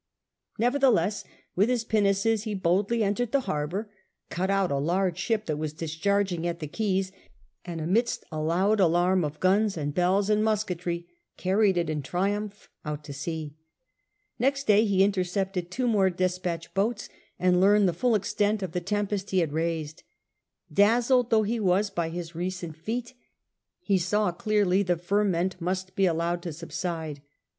Nevertheless, with his pinnaces he boldly entered the harbour, cut out a large ship that was discharging at the quays, and amidst a loud alarm of guns and bells and musketry carried it in triumph out to sea. Next day he intercepted two more despatch boats, and learned the full extent of the tempest he had raised. Dazzled though he was with his recent feat, he saw clearly the ferment must be allowed to subside.